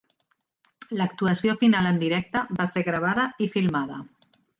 L'actuació final en directe va ser gravada i filmada.